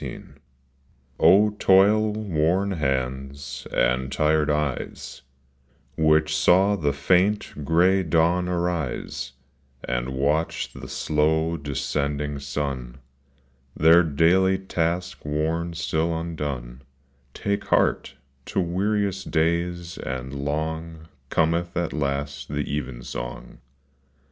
EVEN SONG, TOIL worn hands, and tired eyes, Which saw the faint gray dawn arise, And watch the slow descending sun, Their daily task work still undone, — Take heart, to weariest days and long Cometh at last the even song.